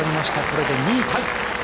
これで２位タイ。